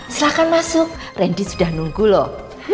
silahkan masuk randy sudah nunggu loh